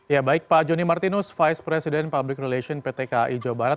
ya baik pak joni martinus vice president public relations pt kai jawa barat